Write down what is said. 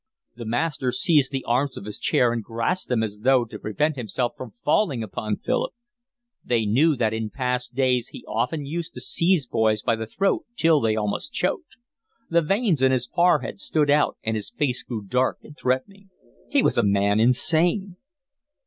The master seized the arms of his chair and grasped them as though to prevent himself from falling upon Philip. They knew that in past days he often used to seize boys by the throat till they almost choked. The veins in his forehead stood out and his face grew dark and threatening. He was a man insane.